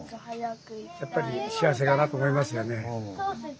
やっぱり幸せだなと思いますよね。